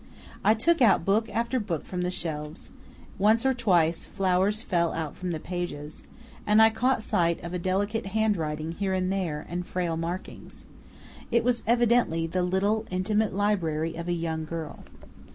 I took out book after book from the shelves, once or twice flowers fell out from the pages and I caught sight of a delicate handwriting here and there and frail markings. It was evidently the little intimate library of a young girl.